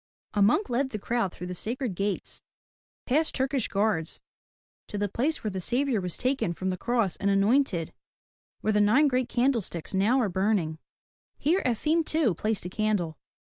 A monk led the crowd 165 MY BOOK HOUSE through the sacred gates, past Turkish guards, to the place where the Savior was taken from the cross and anointed, — where the nine great candlesticks now are burning. Here Efim too placed a candle.